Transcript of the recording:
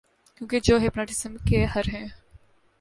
کیونکہ جو ہپناٹزم کے ہر ہیں